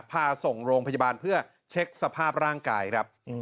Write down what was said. พาส่งโรงพยาบาลเพื่อเช็คสภาพร่างกายครับ